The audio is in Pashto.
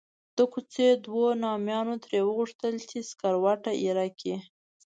د کوڅې دوو نامیانو ترې وغوښتل چې سکروټه ایره کړي.